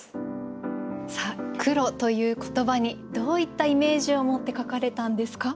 さあ「黒」という言葉にどういったイメージを持って書かれたんですか？